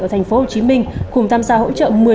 ở tp hcm cùng tham gia hỗ trợ